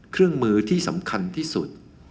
เครื่องมือที่สำคัญที่สุด